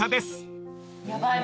ヤバい